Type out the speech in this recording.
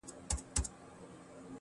په څلورم پړاؤ کي ځیني خلک